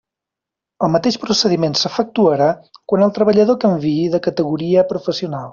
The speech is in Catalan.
El mateix procediment s'efectuarà quan el treballador canviï de categoria professional.